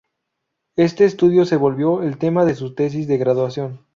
Este estudio se volvió el tema de su tesis de graduación.